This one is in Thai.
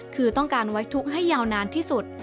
คือต้องการไว้ทุกข์ให้ยาวนานที่สุด